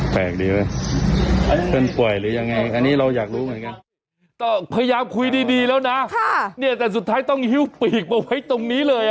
พยายามคุยดีแล้วนะแต่สุดท้ายต้องฮิ้วปีกมาไว้ตรงนี้เลยครับ